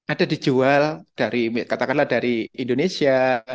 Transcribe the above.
ada dijual katakanlah dari indonesia